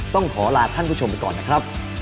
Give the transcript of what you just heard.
ต้องขอลาท่านผู้ชมไปก่อนนะครับ